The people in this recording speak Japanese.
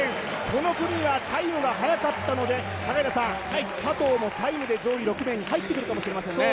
この組はタイムが早かったので佐藤もタイムで上位６名に入ってくるかもしれないですね。